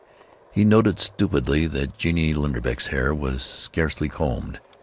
He noted stupidly that Genie Linderbeck's hair was scarcely combed.